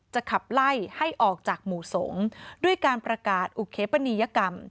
ขับไล่ให้ออกจากหมู่สงฆ์ด้วยการประกาศอุเคปนียกรรม